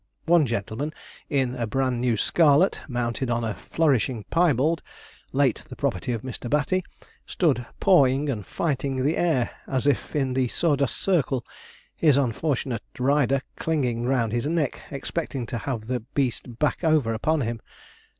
One gentleman, in a bran new scarlet, mounted on a flourishing piebald, late the property of Mr. Batty, stood pawing and fighting the air, as if in the saw dust circle, his unfortunate rider clinging round his neck, expecting to have the beast back over upon him.